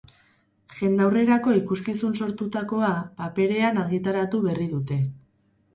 Jendaurrerako ikuskizun sortutakoa, paperean argitaratu berri dute.